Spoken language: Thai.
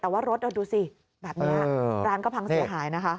แต่ว่ารถดูสิแบบนี้ร้านก็พังเสียหายนะคะ